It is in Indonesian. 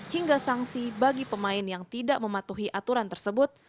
hingga sanksi bagi pemain yang tidak mematuhi aturan tersebut